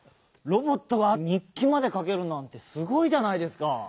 ロボットが日記までかけるなんてすごいじゃないですか。